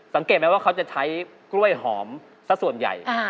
สังเกตไหมว่าเขาจะใช้กล้วยหอมสักส่วนใหญ่